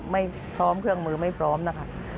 ไม่พร้อมเครื่องมือไม่พร้อมนะคะ